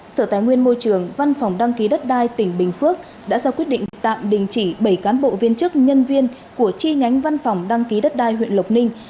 sở tài nguyên môi trường văn phòng đăng ký đất đai tỉnh bình phước đã ra quyết định tạm đình chỉ bảy cán bộ viên chức nhân viên của chi nhánh văn phòng đăng ký đất đai huyện lộc ninh